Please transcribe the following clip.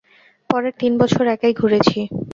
পরের তিন বছর একাই ঘুরেছি।